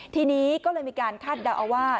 ทีนี้ก็เลยมีการคาดเดาเอาว่า